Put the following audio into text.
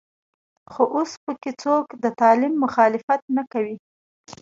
خو اوس په کې څوک د تعلیم مخالفت نه کوي.